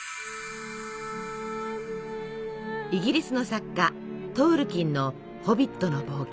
イギリスの作家トールキンの「ホビットの冒険」。